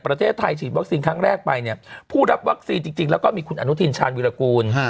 ประเทศไทยฉีดวัคซีนครั้งแรกไปเนี่ยผู้รับวัคซีนจริงแล้วก็มีคุณอนุทินชาญวิรากูล